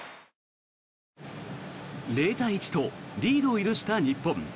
０対１とリードを許した日本。